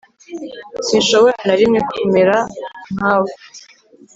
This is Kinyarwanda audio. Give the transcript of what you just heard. sinshobora na rimwe kumera nkawe